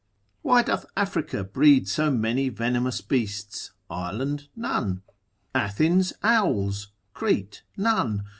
Why doth Africa breed so many venomous beasts, Ireland none? Athens owls, Crete none?